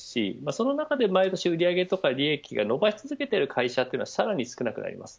その中で毎年売り上げや利益を伸ばし続けている会社というのはさらに少なくなります。